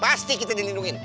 pasti kita dilindungin